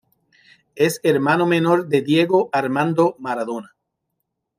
Es hermano menor de Diego Armando Maradona.